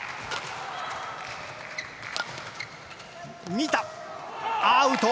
見た、アウト！